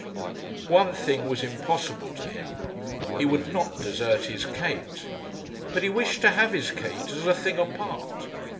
One thing was impossible to him. He would not desert his Kate. But he wished to have his Kate, as a thing apart.